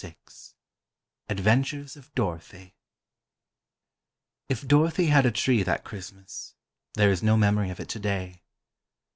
VI ADVENTURES OF DOROTHY If Dorothy had a Tree that Christmas, there is no memory of it today.